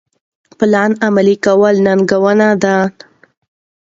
پلان عملي کول ننګونه ده.